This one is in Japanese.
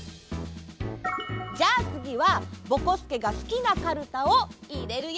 じゃあつぎはぼこすけがすきなカルタをいれるよ。